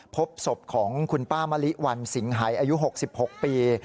พบศพของคุณป้ามะลิวันสิงหายอายุ๖๖ปี